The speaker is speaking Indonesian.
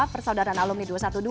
persaudaraan alumni dua ratus dua belas